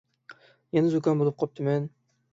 يەنە زۇكام بولۇپ قاپتىمەن.